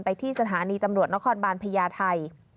ที่สถานีตำรวจนครบาลพญาไทย